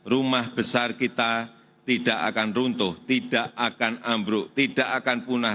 rumah besar kita tidak akan runtuh tidak akan ambruk tidak akan punah